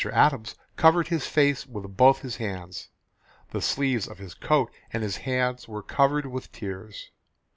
Adams covered his face with both his hands; the sleeves of his coat and his hands were covered with tears.